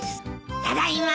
ただいま。